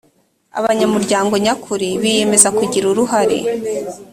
abanyamuryango nyakuri biyemeza kugira uruhare